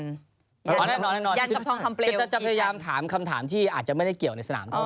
อ๋อแน่นอนชั้นจะพยายามถามคำถามคำถามที่อาจจะไม่ได้เกี่ยวในสนามเท่าไหร่